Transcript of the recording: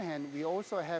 tapi di sisi lain